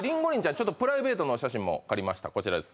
ちょっとプライベートの写真も借りましたこちらです